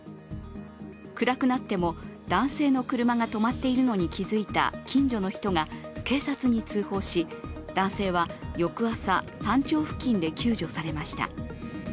暗くなっても、男性の車が止まっているのに気づいた近所の人が警察に通報し、男性は翌朝、山頂付近で救助されました。